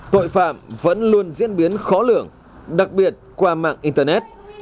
tội phạm vẫn luôn diễn biến khó lường đặc biệt qua mạng internet